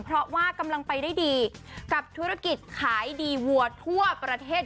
เพราะว่ากำลังไปได้ดีกับธุรกิจขายดีวัวทั่วประเทศ